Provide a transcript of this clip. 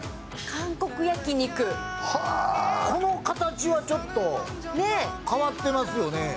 この形はちょっと変わってますよね。